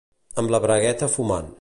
Amb la bragueta fumant.